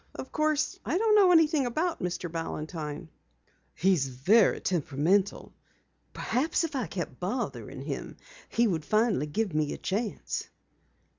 Of course, I don't know anything about Mr. Balantine." "He's very temperamental. Perhaps if I kept bothering him he would finally give me a chance."